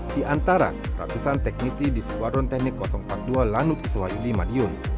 di antara ratusan teknisi di skuadron teknik empat puluh dua lanut iswayuli madiun